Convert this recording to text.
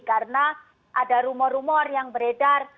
karena ada rumor rumor yang beredar